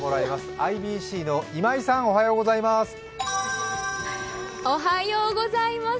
ＩＢＣの今井さん、おはようございます。